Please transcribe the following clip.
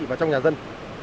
và trong nhà dân